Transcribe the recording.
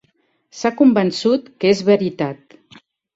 S'ha convençut que és veritat.